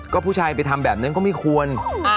ก็ผู้ชายไปทำแบบนั้นก็ไม่ควร